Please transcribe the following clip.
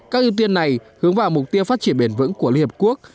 các ưu tiên này hướng vào mục tiêu phát triển bền vững của liên hợp quốc